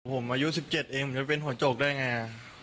ผมอายุ๑๗เองผมจะเป็นหัวโจกได้ไง